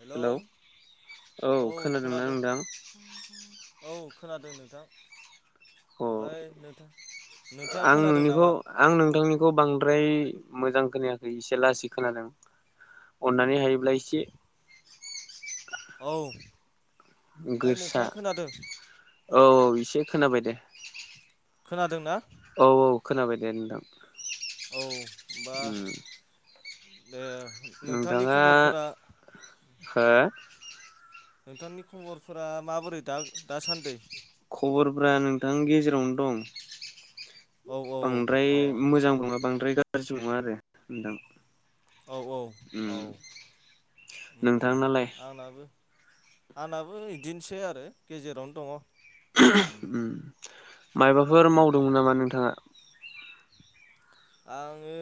Hello औ खोनादोंना खोनादों नोंथां औ खोनादों नोंथां अ ओमफ्राय नोंथां नोंथाङा आं खोनादों नोंनिखौ नामा आं नोंथांनिखौ बांद्राय मोजां खोनायाखै एसे लासै खोनादों अननानै हायोब्ला एसे औ ओमफाय गोसा नोंथाङा खोनादों औ औ इसे खोनाबाय दे खोनादों ना औ औ खोनाबाय दे नोंथां औ बा उम ए नोंथांनि नोंथाङा खबरफोरा हो नोंथांनि खबरफोरा माबोरै दा दासान्दै खबरफोरा नोंथां गेजेरावनो दं औ औ बांद्राय अ मोजांबो नङा बांद्रायबो गाज्रि नङा आरो नोंथां औ औ औ उम नोंथांनालाय आंनाबो आंनाबो बिदिनोसै आरो गेजेरावनो दङ' [unintelligible] उम मायबाफोर मावदोंमोन नामा नोंथाङा आङो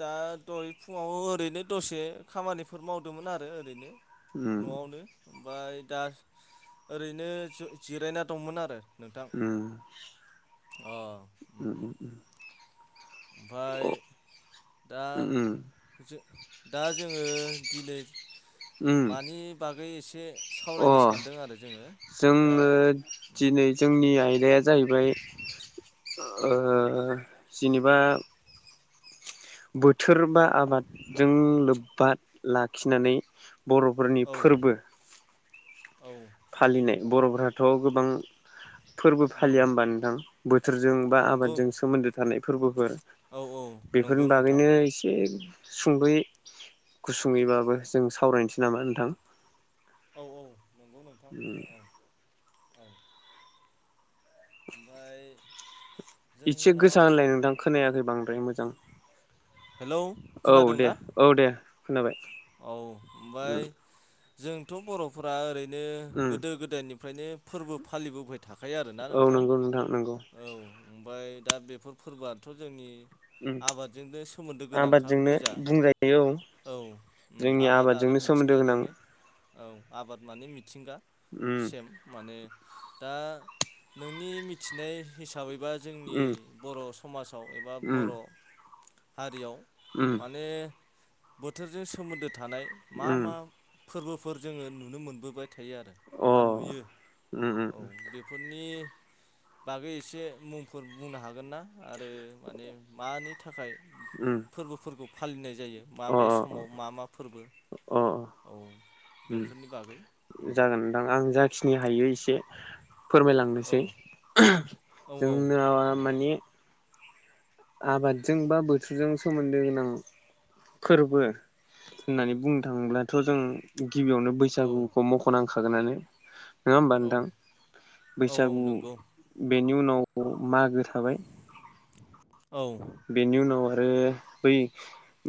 दा दहय फुङाव ओरैनो दसे खामानिफोर मावदोंमोन आरो ओरैनो उम न'आवनो ओमफाय दा ओरैनो जों जिरायना दंमोन आरो नोंथां उम अ उम उम उम ओमफाय दा उम जो दा जोङो दिनै उम मानि बागै एसे अ सावरायनो सानदों आरो जोङो दा जोङो दिनै जोंनि आयदाया जाहैबाय ओ औ जिनेबा बोथोर बा आबादजों लोब्बा लाखिनानै बर'फोरनि औ फोरबो औ फालिनाय बर'फोराथ' गोबां फोरबो उम फालिया होमबा नोंथां थोरजों बा नंगौ आबादजों सोमोन्दो थानाय फोरबोफोर औ औ नंगौ बेफोरनि नोंथां बागैनो इसे सुंदयै गुसुङै बाबो जों सावरायनोसै नामा नोंथां औ औ नंगौ नोंथां औ औ ओमफाय इसे गोसा होनलाय नोंथां खोनायाखै बांद्राय मोज जां हेलौ औ दे खोनादोंना औ दे खोनाबाय औ उम ओमफाय जोंथ' बर'फोरा ओरैनो उम गोदो गोदायनि फ्रायनो फोरबो फालिबोबाय थाखायो आरोना औ नोंथां नंगौ नंगौ औ बाय दा बेफोर फोरबोआथ' जोंनि उम आबादजोंनो सोमोन्दो गोनांखा आबादजोंनो गोजा बुंजायो औ उम जोंनि आबाद आरो आबादजोंनो सोमोन्दो गोनां। मिथिंगाजोंनो औ आबाद माने मिथिंगा उम सेम माने दा नोंनि मिथिनाय हिसाबै एबा जोंनि उम बर' समाजाव एबा उम बर' हारियाव उम माने बोथोरजों सोमोन्दो थानाय मा उम मा फोरबोफोर जोङो नुनो मोनबोबाय। थायो आरो अ एबा नुयो उम उम औ बेफोरनि बागै एसे मुंफोर बुंनो हागोन ना। आरो माने मानि थाखाय उम फोरबोफोरखौ फालिनाय जायो अ माबे अ समाव मा मा फोरबो अ औ उम बेफोरनि बागै ओम खिनि हायो एसे औ फोरमायलांनोसै औ औ जोंना उम माने आबादजों बा बोथोरजों सोमोन्दो गोनां फोरबो होननानै बुंनो थाङोब्लाथ' जों गिबियावनो औ बैसागुखौ मख'नांखागोनानो। नङा होमबा औ नोंथां औ औ बैसागु नंगौ बेनि उनाव मागो थाबाय औ बेनि उनाव आरो बै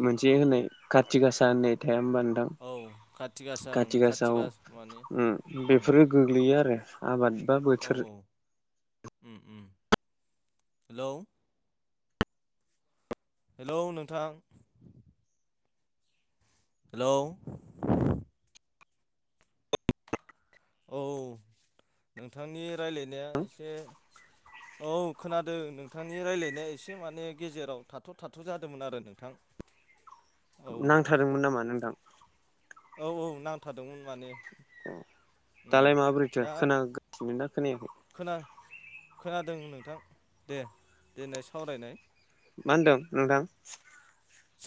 मोनसे होननाय खाथि गासा होननाय थाया होनबा नोंथां औ खाथि गासा ओं काथि खाथि गासाव गासा माने उम बेफोरो गोग्लैयो आरो। आबाद बा औ बोथोर औ हेलौ हेलौ नोंथां हेल' औ नोंथांनि राय्लायनाया एसे [inaudible] औ खोनादों नोंथांनि रायज्लायनाया एसे माने गेजेराव थाथ' थाथ' जादोंमोन आरो नोंथां। औ नांथादोंमोन नामा नोंथां? औ-औ नांथादोंमोन माने उम दालाय माबोरैथो दा खोनागासिनो ना खोनायाखै? खोना खोनादों नोंथां दे देनाय सावरायनाय मा होनदों नोंदां?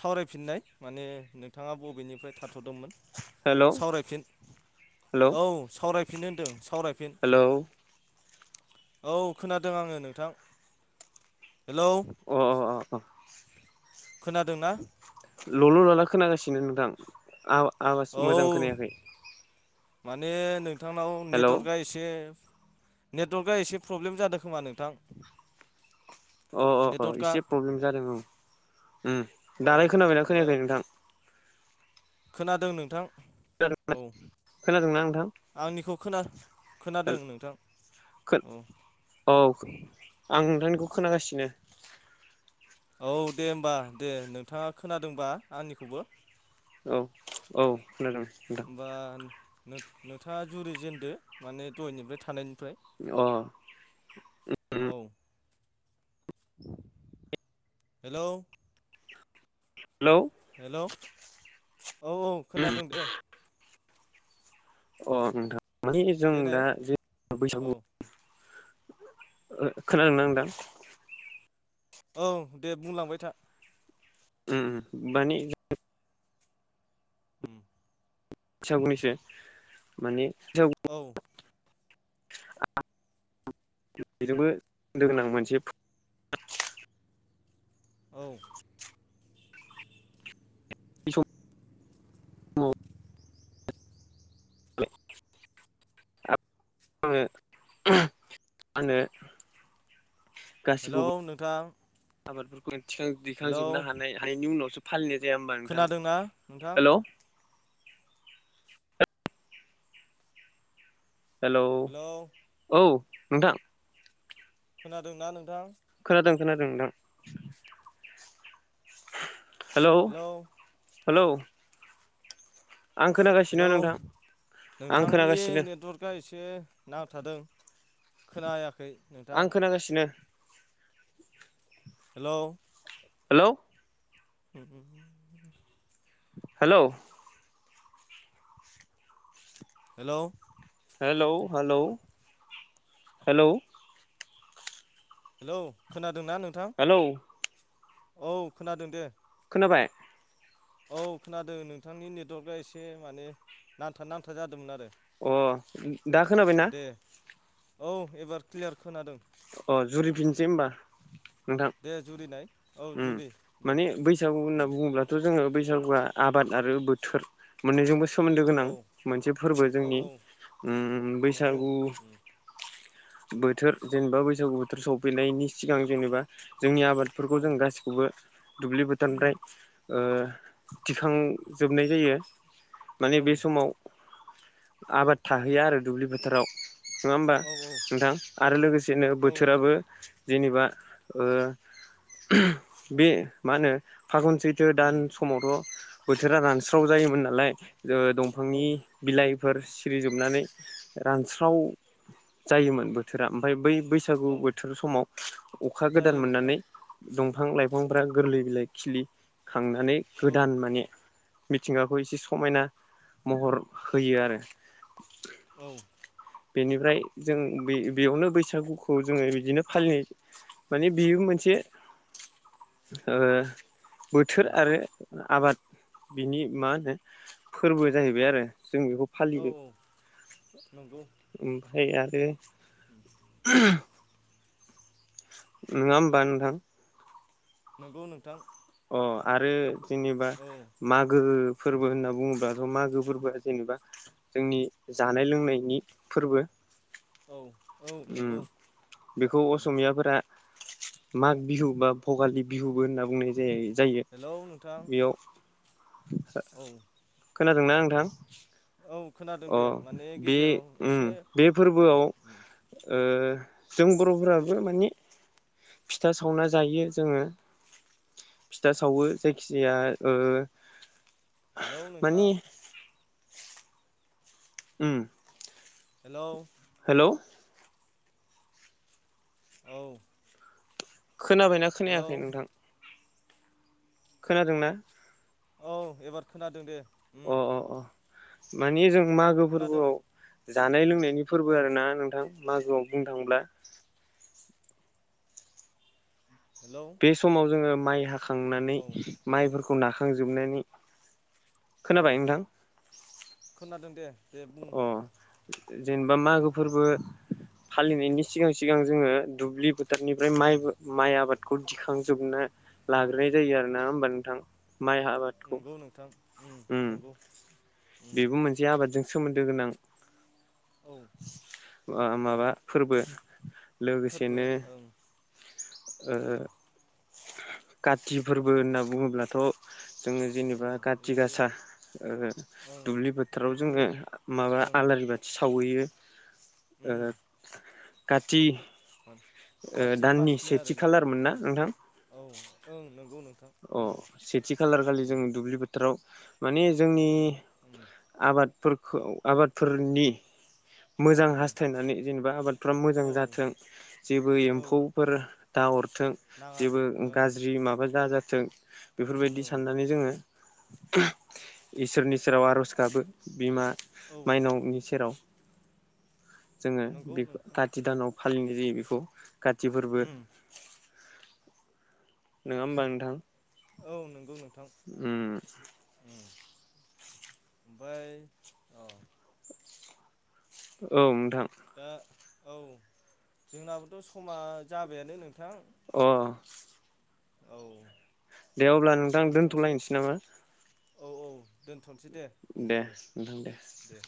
सावरायफिननाय माने नोंथाङा बबेनिफ्राय थाथ 'मोन हेल' हेल' सावरायफिन औ सावरायफिन होनदों। सावरायफिन हेलौ औ खोनादों आङो नोंथां। हेलौ अ-अ-अ खोनादोंना? लल' ल'ला खोनागासिनो नोंथां आवास औ मोजां खोनायाखै। माने नोंथांनाव हेल' नेटवारकआ अ एसे नेटवर्कआ एसे प्रब्लेम जादों खोमा नोंथां। अ-अ-अ नेटवर्कआ एसे प्रब्लेम जादों औ ओम औ दालाय खोनाबायना ओमफ्राय खोनायाखै नोंथां? खोनादों नोंथां। औ [unintelligible] खोनादोंना नोंथां आंनिखौ खोना खोनादों नोंथां खो औ औ आं नोंथांनिखौ खोनागासिनो औ दे होमबा दे नोंथाङा खोनादोंबा आंनिखौबो औ औ खोनादों नोंथां होमबा नोंथाङा जुरि जेनदो माने दहनिफ्राय थानायनि अ ओमफ्राय औ हेल' हेलौ हेल' औ औ खोनादों अ दे अ नोंथां मानानि जों देनाय दा ज औ बैसागु खोनादों नांदां औ दे बुंलांबाय था उ मानि उ फसा बुंंनैसो माने औ [unintelligible] [inaudible] बेजोंबो द गोनां मोनसे औ बे सम औ [unintelligible] [inaudible] मानो हेल' नोंथां आबादफोरखौखां हेलौ दिखांजोबनो हानाय हानायनि उनावसो फालिनाय जाया होमबा नोंथां खोनादोंना नोंथां हेल' हेलौ औ नोंथां खोनादोंना नोंथां खोनादों खोनादोंदां हेल' हेलौ हेल' हेलौ आं नोंथांनि खोनागासिनो नेटवारकआ एसे नांथादों खोनायाखै नोंथां आं खोनागासिनो हेल' हेलौ हु हु hello hello hello hello hello hello खोनादोंना नोंथां हेलौ औ खोनादों दे खोनाबाय औ खोनादों नोंथांनि नेटवार्कआ एसे माने नांथा नांथा जादोंमोन आरो अ दा खोनाबायना दे औ एबार क्लियार खोनादों अ जुरिफिननोसै होनोमबा दे जुरिनाय औ नोंथां जुरि दे माने बैसागु होनना बुङोब्लाथ' जोङो बैसागुआ आबाद आरो बोथोर मोननैजों बोसोर सोमोन्दो गोनां औ मोनसे फोरबो औ जोंनि औ नंगौ बैसागु बोथोर जेनेबा बैसागु बोथोर सफैनायनि सिगां जेनेबा जोंनि आबादफोरखौ औ जों गासिखौबो दुब्लि बोथोरनिफ्राय ओ थिखांजोबनाय जायो माने औ बे समाव आबाद थाहैया आरो दुब्लि फोथाराव नङा होमबा औ औ नोंथां आरो नंगौ लोगोसेनो औ बोथोराबो जेनोबा ओ बे मा होनो फागुन सैत्र दान समावथ' बोथोरा रानस्राव जायोमोन नालाय ओ औ दंफांनि बिलाइ बेफोर सिरिजोबनानै रानस्राव जायोमोन बोथोरा ओमफाय बै बैसागु औ बोथोर समाव अखा गोदान जायो नोंथां मोननानै दं। बिफां लाइफांफ्रा गोरलै बिलाइ खिलि खांनानै औ गोदान माने मिथिंगाखौ एसे समायना महर होयो आरो। औ बेनिफ्राय जों बे बेयावनो बैसागुखौ जोङो बिदिनो फालिनाय माने बेयो मोनसे ओ बोथोर उम आरो आबाद बिनि मा होनो फोरबो जाहैबाय आरो। जों बेखौ औ फालियो औ नंगौ ओमफ्राय आरो [inaudible] नोङा होमबा नोंथां? नोंगौ नोंथां। अ' आरो जेनेबा औ मागो फोरबो होनना बुङोब्लाथ' मागो फोरबोआ जेनोबा जोंनि जानाय लोंनायनि फोरबो औ। औ उम नंगौ बेखौ उम असमियाफोरा माग बिहु बा भगालि बिहुबो होनना बुंनाय जायो जायो हेलौ नोंथां बेयाव औ खोनादोंना नोंथां? औ खोनादों अ दे माने बे गेजेराव उम एसे बे औ फोरबोआव ओ उम जों बर फोराबो माने फिथा सावना जायो जोङो फिथा सावो जायखिजा ओ हेल' माने नोंथां? उम। हेल'? हेलौ? औ। खोनाबायना हेलौ खोनायाखै नोंथां? खोनादोंना? औ एबार खोनादों दे उम। मानि जों मागो खोनादों फोरबोआव जानाय लोंनायनि फोरबो औ आरो ना नोंथां। मागोआव बुंनो थांब्ला हेलौ बे समाव जोङो माइ हाखांनानै औ माइफोरखौ नाखांजोबनानै औ खोनाबाय नोंथां खोनादों दे। दे बुं अ जेनोबा मागो फोरबो फालिनायनि सिगां सिगां जोङो दुब्लि फोथोरनिफ्राय माइ उम माइ आबादखौ दिखांजोबना लाग्रोनाय जायो आरो ना होमबा नोंथां। माइ आबादखौ नंगौ नोंथां उम नंगौ उम बेबो मोनसे आबादजों सोमोन्दो गोनां औ आ माबा फोरबो फोरबो लोगोसेनो ओं ओ उम काति फोरबो होन्ना बुङोब्लाथ' जोङो जेनोबा ओं बे खााथि गासा ओं दुब्लि बोथोराव बेखौ जोङो माबा ओं आला रिबाथि सावयैयो। ओ उम खाथि मोन कार्तिक मासनि आरो ना? ओं औ ओं नंगौ नों अह सेथि खालारखालि जों दुब्लि फोथाराव माने जोंनि माने उम आबादफोरखौ आबादफोरनि मोजां उम हास्थायनानै जेनोबा आबादफ्रा मोजां औ जाथों जेबो औ एम्फौफोर दा नाहरथों नाङा जेबो ओं गाज्रि माबा दा जाथों बेफोरबायदि ओं साननानै जोङो इसोरनि सेराव आरज गाबो बिमा औ माइनावनि सेराव जोङो नंगौ बे नोंथां काति दानाव फालिनाय जायो बेखौ कति फोरबो उम नोङा होमबा नोंथां? औ नंगौ नोंगौ उम [inaudible] ओम बै औ औ नोंथां दा औ जोंनाबोथ' समा जाबायानो नोंथां। अ औ दे अब्ला नोंथां दोनथ'नोसै दोन्थ'लायनोसै नामा? दोनथ'सै दे दे दे